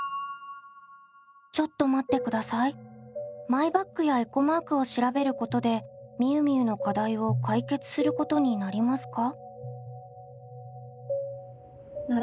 マイバッグやエコマークを調べることでみゆみゆの課題を解決することになりますか？